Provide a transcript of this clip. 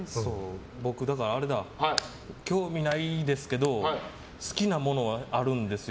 興味ないですけど好きなものはあるんですよ。